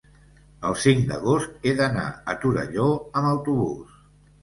el cinc d'agost he d'anar a Torelló amb autobús.